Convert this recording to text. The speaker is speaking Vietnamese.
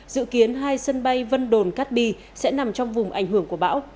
dự kiến hai sân bay vân đồn cát bi sẽ nằm trong vùng ảnh hưởng của bão